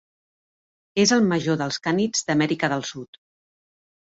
És el major dels cànids d'Amèrica del Sud.